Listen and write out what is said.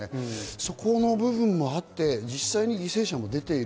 そこの部分もあって実際、犠牲者も出ている。